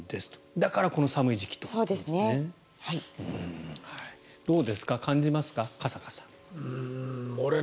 だからこの寒い時期ということなんですね。